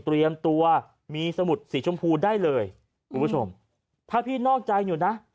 เตรียมตัวมีสมุดสีชมพูได้เลยคุณผู้ชมถ้าพี่นอกใจอยู่นะ